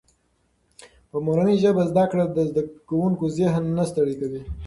په مورنۍ ژبه زده کړه د زده کوونکي ذهن نه ستړی کوي.